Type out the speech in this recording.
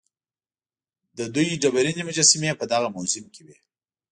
د دوی ډبرینې مجسمې په دغه موزیم کې وې.